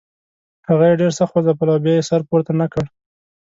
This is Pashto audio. هغه یې ډېر سخت وځپل او بیا یې سر پورته نه کړ.